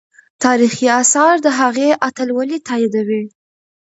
تاریخي آثار د هغې اتلولي تاییدوي.